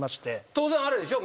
当然あれでしょ？